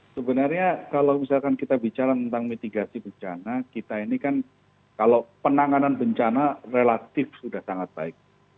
sebenarnya kalau misalkan kita bicara tentang mitigasi bencana kita ini kan kalau penanganan bencana relatif sudah sangat baik